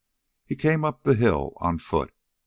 Here he came up the hill, on foot.